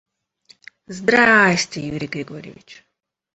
Здрасте, Юрий Григорьевич.